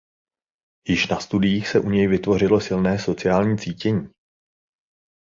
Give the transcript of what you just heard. Již na studiích se u něj vytvořilo silné sociální cítění.